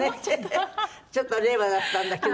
ちょっと令和だったんだけどね。